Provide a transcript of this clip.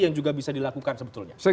yang juga bisa dilakukan sebetulnya